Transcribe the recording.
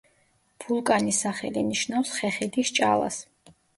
ვულკანის სახელი ნიშნავს „ხეხილის ჭალას“.